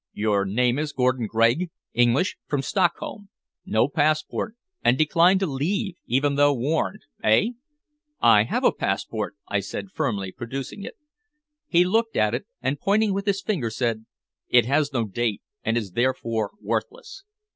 "Your name is Gordon Gregg, English, from Stockholm. No passport, and decline to leave even though warned eh?" "I have a passport," I said firmly, producing it. He looked at it, and pointing with his finger, said: "It has no date, and is therefore worthless."